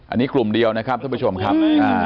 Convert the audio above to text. อันนี้กลุ่มเดียวนะครับท่านผู้ชมครับ